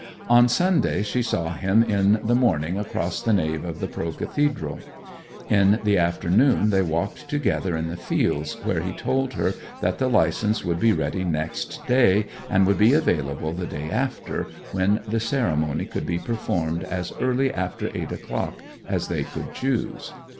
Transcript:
On Sunday she saw him in the morning across the nave of the pro cathedral. In the afternoon they walked together in the fields, where he told her that the licence would be ready next day, and would be available the day after, when the ceremony could be performed as early after eight o'clock as they should choose.